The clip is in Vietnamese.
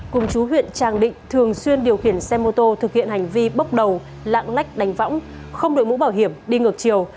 cùng chú huyện trang định thường xuyên điều khiển xe mô tô thực hiện hành vi bốc đầu lạng lách đánh võng không đội mũ bảo hiểm đi ngược chiều